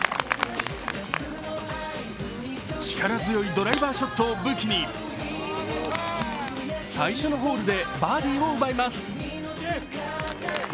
力強いドライバーショットを武器に最初のホールでバーディーを奪います。